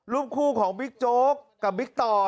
รูปคู่ของบิ๊กโจ๊กกับบิ๊กต่อ